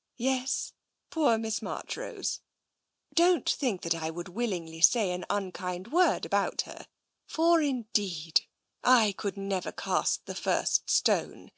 " Yes, poor Miss Marchrose. Don't think that I would willingly say an unkind word about her, for indeed I could never cast the first stone.